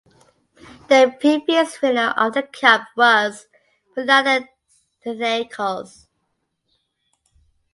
The previous winner of the cup was Panathinaikos.